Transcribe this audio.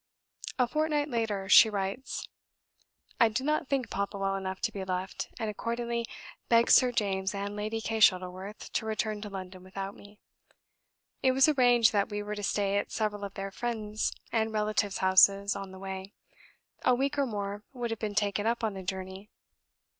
A fortnight later she writes: "I did not think Papa well enough to be left, and accordingly begged Sir James and Lady Kay Shuttleworth to return to London without me. It was arranged that we were to stay at several of their friends' and relatives' houses on the way; a week or more would have been taken up on the journey.